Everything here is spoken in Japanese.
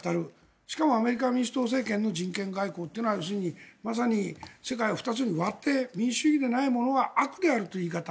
しかもアメリカ民主党政権の人権外交というのは要するにまさに世界を２つに割って民主主義でないものは悪であるという言い方